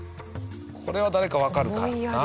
これは誰かわかるかな？